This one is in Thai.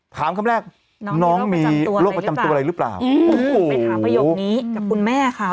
คำแรกน้องมีโรคประจำตัวอะไรหรือเปล่าไปถามประโยคนี้กับคุณแม่เขา